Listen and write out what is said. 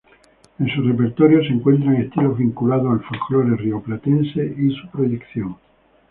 En su repertorio se encuentran estilos vinculados al folklore rioplatense y su proyección.